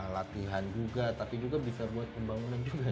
latihan juga tapi juga bisa buat pembangunan juga